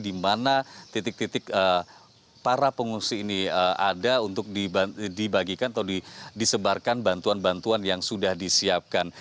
karena titik titik para pengungsi ini ada untuk dibagikan atau disebarkan bantuan bantuan yang sudah disiapkan